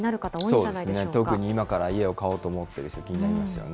そうですね、特に今から家を買おうと思っている方は気になりますよね。